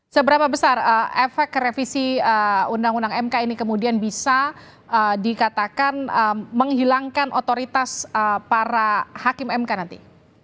seberapa besar efek revisi undang undang mk ini kemudian bisa dikatakan menghilangkan otoritas para hakim mk nanti